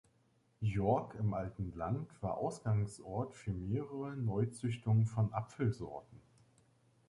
Jork im Alten Land war Ausgangsort für mehrere Neuzüchtungen von Apfelsorten.